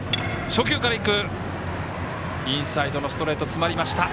インサイドのストレート詰まりました。